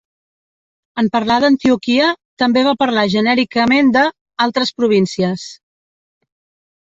En parlar d'Antioquia, també va parlar genèricament de "altres províncies".